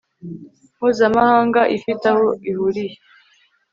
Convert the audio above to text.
mpuzamahanga ifite aho ihuriye